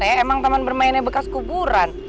eh emang taman bermainnya bekas kuburan